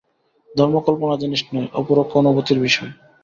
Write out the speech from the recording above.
ধর্ম কল্পনার জিনিষ নয়, অপরোক্ষ অনুভূতির বিষয়।